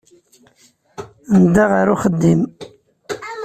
Nedda ɣer uxeddim.